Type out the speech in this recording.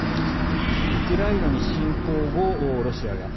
ウクライナに侵攻後、ロシアが。